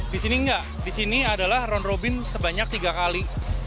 di sini enggak di sini adalah round robin sebanyak tiga kali